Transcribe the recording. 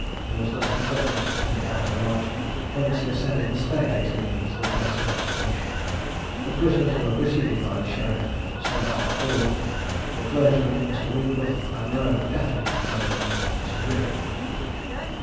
He was thus conducted to the outer lodge, whence he ascended the staircase leading to the place of execution. The prisoners were preceded by the sheriff, Sir R. Ford, the clergyman, Mr. Winkworth, and the Roman Catholic clergyman, Mr. Griffith.